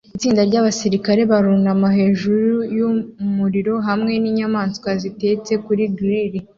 Itsinda ryabasirikare barunamye hejuru yumuriro hamwe ninyama zitetse kuri grill